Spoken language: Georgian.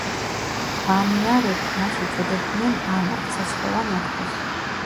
ვანიარები მას უწოდებდნენ ანარ, ცეცხლოვან ოქროს.